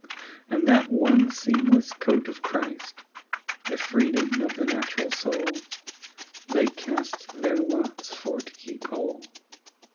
And that one seamless coat of Christ, The freedom of the natural soul, They cast their lots for to keep whole.